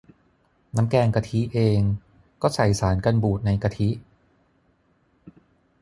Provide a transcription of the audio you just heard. น้ำแกงกะทิเอง ก็ใส่สารกันบูดในกะทิ